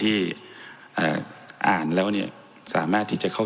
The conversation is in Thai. ท่านจะวินิจฉัยมานั้นนะครับซึ่ง